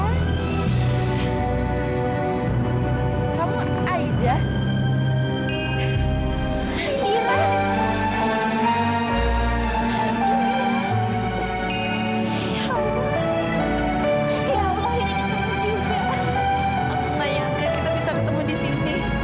apa apa yangga kita bisa ketemu disini